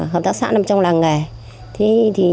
hợp tác xã nằm trong làng nghề